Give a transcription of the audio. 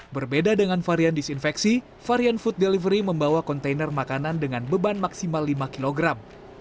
berbeda dengan varian disinfeksi varian food delivery membawa kontainer makanan dengan beban maksimal lima kilogram